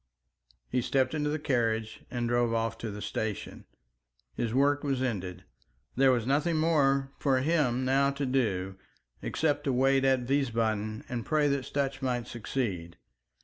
He stepped into the carriage and drove off to the station. His work was ended. There was nothing more for him now to do, except to wait at Wiesbaden and pray that Sutch might succeed.